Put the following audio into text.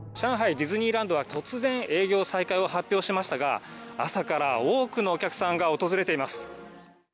ディズニーランドは突然営業再開を発表しましたが、朝から多くのお客さんが訪れています。